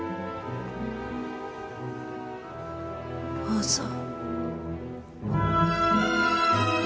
どうぞ。